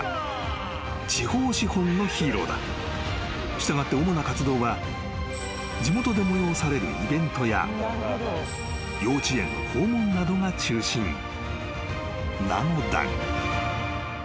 ［従って主な活動は地元で催されるイベントや幼稚園の訪問などが中心なのだが］